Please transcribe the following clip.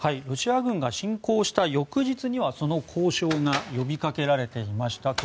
ロシア軍が侵攻した翌日にはその交渉が呼びかけられていました。